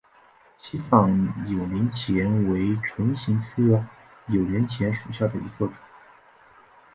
西藏扭连钱为唇形科扭连钱属下的一个种。